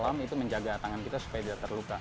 pasar kolam itu menjaga tangan kita supaya tidak terluka